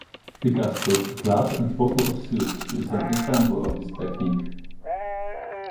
Picasso's "Glass and Bottle of Suze" is an example of this technique.